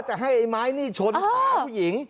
จะให้ไอ้ไม้นี่ชนขาผู้หญิง